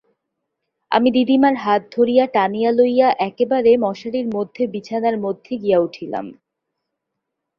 আমি দিদিমার হাত ধরিয়া টানিয়া লইয়া একেবারে মশারির মধ্যে বিছানার মধ্যে গিয়া উঠিলাম।